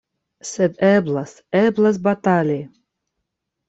Sed eblas, eblas batali!